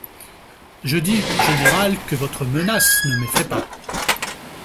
Je dis, général, que votre menace ne m’effraye pas !